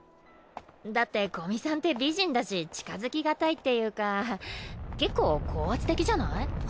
だって古見さんって美人だし近づきがたいっていうか結構高圧的じゃない？